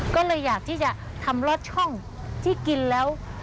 ก็เลยอยากที่จะทำลอดช่องที่กินแล้ว